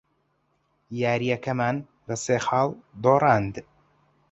یارییەکەمان بە سێ خاڵ دۆڕاند.